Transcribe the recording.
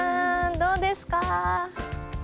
どうですか？